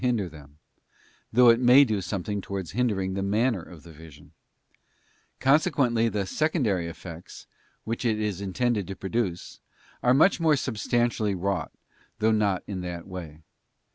127 hinder them, though it may do something towards hindering the manner of the vision; consequently the secondary effects which it is intended to produce are much more substantially wrought, though not in that way.